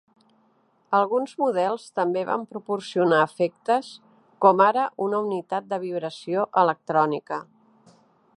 Alguns models també van proporcionar efectes com ara una unitat de vibració electrònica.